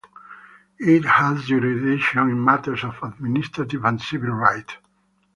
It had jurisdiction in matters of administrative and civil right.